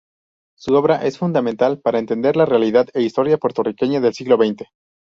Su obra es fundamental para entender la realidad e historia puertorriqueña del siglo veinte.